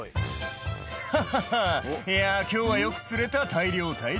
「ハハハいや今日はよく釣れた大漁大漁」